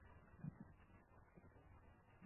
热力学状态是指一组描述热力学系统的状态。